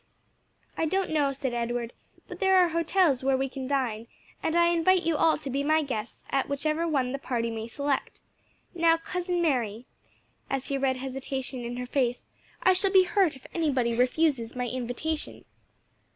"I don't know," said Edward; "but there are hotels where we can dine, and I invite you all to be my guests at whichever one the party may select. Now, Cousin Mary," as he read hesitation in her face, "I shall be hurt if anybody refuses my invitation."